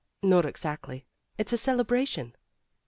"Not exactly. It's a celebration."